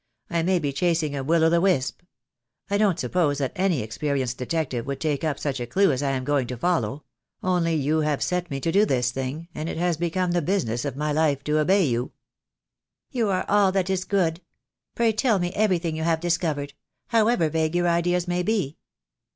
I may be chasing a Will o' the Wisp. I don't suppose that any experienced detective would take up such a clue as I am going to follow — only you have set me to do this thing, and it has become the business of my life to obey you." 102 THE DAY WILL COME. "You are all that is good. Pray tell me everything you have discovered — however vague your ideas may be."